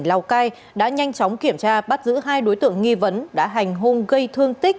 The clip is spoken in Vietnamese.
lào cai đã nhanh chóng kiểm tra bắt giữ hai đối tượng nghi vấn đã hành hung gây thương tích